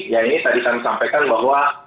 ya ini tadi kami sampaikan bahwa